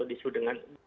menghadapi problem ekonomi